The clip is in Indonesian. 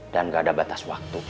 dan gak ada batas waktu